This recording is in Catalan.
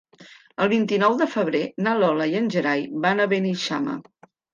El vint-i-nou de febrer na Lola i en Gerai van a Beneixama.